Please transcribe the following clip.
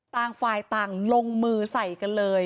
ต่างฝ่ายต่างลงมือใส่กันเลย